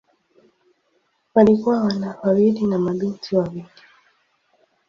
Walikuwa wana wawili na mabinti wawili.